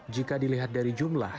jika dilihat dari jumlah